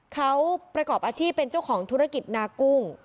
เขาประกอบอาชีพเป็นเจ้าของธุรกิจนากุ้ง